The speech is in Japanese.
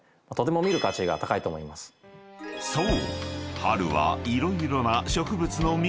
［そう］